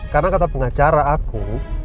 karena kata pengacara aku